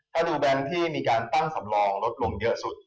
ถ้าดูแบงค์ที่มีการตั้งสำรองลดลงเยอะสุด